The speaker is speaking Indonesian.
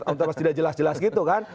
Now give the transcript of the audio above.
untuk tidak jelas jelas gitu kan